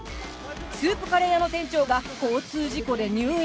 スープカレー屋の店長が交通事故で入院